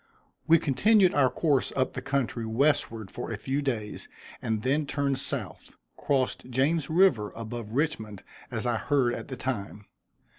We continued our course up the country westward for a few days and then turned South, crossed James river above Richmond, as I heard at the time.